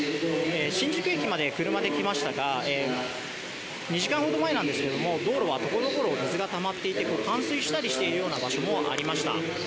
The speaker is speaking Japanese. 新宿駅まで車出来ましたが２時間ほど前なんですが、道路はところどころ水がたまっていて冠水したりしている場所もありました。